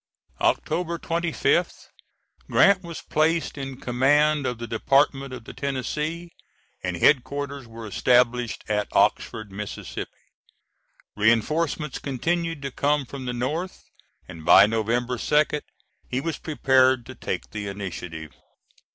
[October 25th, Grant was placed in command of the Department of the Tennessee and headquarters were established at Oxford, Miss. Reinforcements continued to come from the North, and by November 2d, he was prepared to take the initiative.